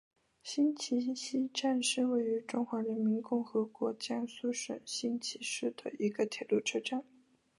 新沂西站是位于中华人民共和国江苏省新沂市的一个铁路车站。